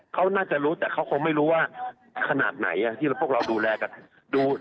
เขาน่าจะรู้แต่เขาคงไม่รู้ว่าขนาดไหนที่พวกเราดูแลกันดู